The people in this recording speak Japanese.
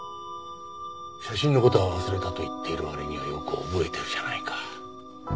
写真の事は忘れたと言っている割にはよく覚えてるじゃないか。